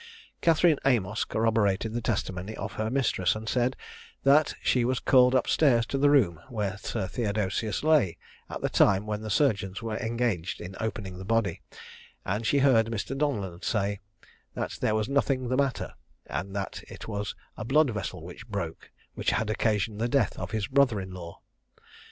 Catherine Amos corroborated the testimony of her mistress, and said, that she was called up stairs to the room where Sir Theodosius lay, at the time when the surgeons were engaged in opening the body, and she heard Mr. Donellan say "that there was nothing the matter; and that it was a blood vessel which broke, which had occasioned the death of his brother in law."